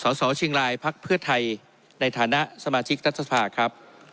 สสเชียงรายพักเพื่อไทยในฐานะสมาชิกรัฐสภาครับ